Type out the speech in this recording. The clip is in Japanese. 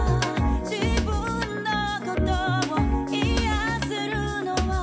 「自分のことを癒せるのは」